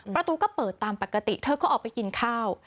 ประตูก็เปิดตามปกติเธอก็ออกไปกินข้าว